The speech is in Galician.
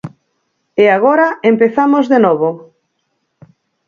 E agora empezamos de novo.